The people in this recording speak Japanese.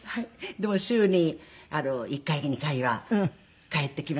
でも週に１回か２回は帰ってきます。